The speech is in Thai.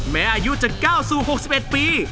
แม้อายุจะ๙๖๑ปี